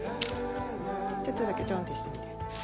ちょっとだけチョンってしてみて。